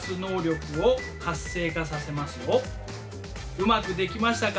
うまくできましたか？